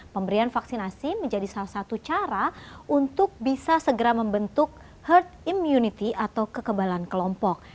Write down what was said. pemberian vaksinasi menjadi salah satu cara untuk bisa segera membentuk herd immunity atau kekebalan kelompok